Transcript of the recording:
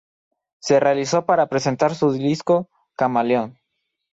Se realizó para presentar su disco Chameleon.